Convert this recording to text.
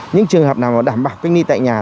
những trường hợp nào đảm bảo cách ly tại nhà